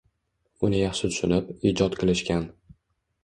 Uni yaxshi tushunib, ijod qilishgan.